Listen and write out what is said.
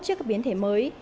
trước các biến thể mới